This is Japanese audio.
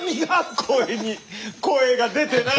声に声が出てない！